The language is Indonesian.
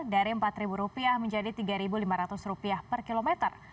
dari rp empat menjadi rp tiga lima ratus per kilometer